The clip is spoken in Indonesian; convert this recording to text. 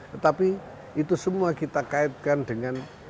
tetapi itu semua kita kaitkan dengan